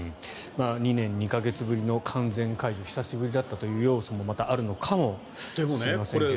２年２か月ぶりの完全解除久しぶりだったという要素もまたあるのかもしれませんが。